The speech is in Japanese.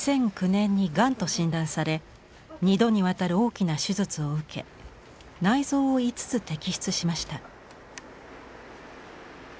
２００９年にがんと診断され２度にわたる大きな手術を受け内臓を５つ摘出しました。